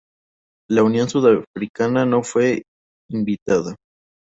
La Unión de Sudáfrica no fue invitada.